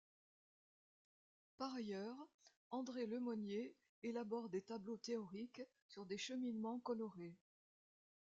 Par ailleurs, André Lemonnier élabore des tableaux théoriques sur des cheminements colorés.